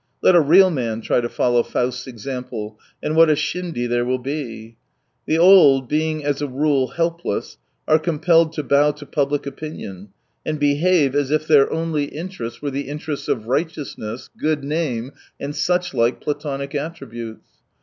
Let a real man try to follow Faust's example, and what a shindy there will be ! The old, being as a rule helpless, are compelled to bow to public opinion and behave as if their only interests 203 were the interests of righteousness, good name, and such like Platonic attributes.